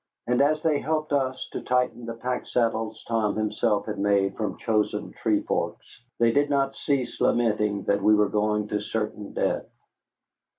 And as they helped us to tighten the packsaddles Tom himself had made from chosen tree forks, they did not cease lamenting that we were going to certain death.